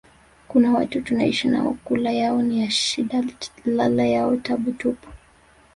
kuna watu tunaishi nao kula yao ni ya shida lala yao tabu tupu